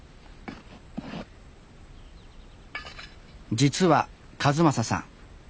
実は一正さん